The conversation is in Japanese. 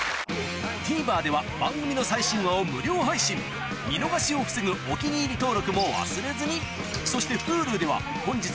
ＴＶｅｒでは番組の最新話を無料配信見逃しを防ぐ「お気に入り」登録も忘れずにそしてＨｕｌｕでは本日の放送も過去の放送も配信中